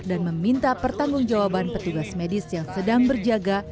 dan meminta pertanggung jawaban petugas medis yang sedang berjaga